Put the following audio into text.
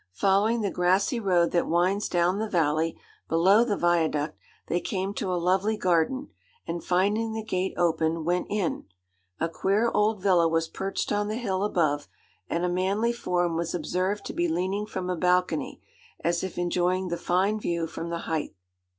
Following the grassy road that winds down the valley below the viaduct, they came to a lovely garden, and, finding the gate open, went in. A queer old villa was perched on the hill above, and a manly form was observed to be leaning from a balcony, as if enjoying the fine view from the height.